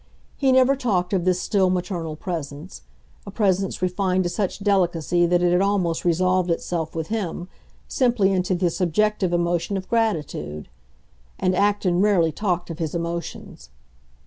He never talked of this still maternal presence,—a presence refined to such delicacy that it had almost resolved itself, with him, simply into the subjective emotion of gratitude. And Acton rarely talked of his emotions.